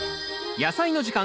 「やさいの時間」